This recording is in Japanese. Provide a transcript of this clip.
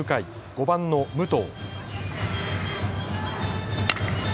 ５番の武藤。